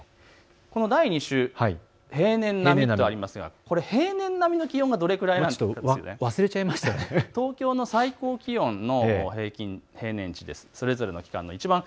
第２週、平年並みとありますが平年並みの気温がどれくらいなのか東京の最高気温の平年値です。